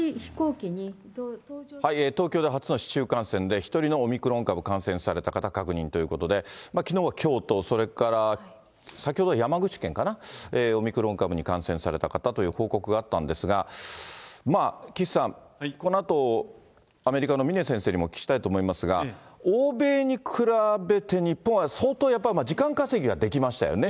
東京で初の市中感染で、１人のオミクロン株、感染された方確認ということで、きのうは京都、先ほどは山口県かな、オミクロン株に感染された方という報告があったんですが、岸さん、このあとアメリカの峰先生にもお聞きしたいと思いますが、欧米に比べて日本は相当やっぱり時間稼ぎができましたよね。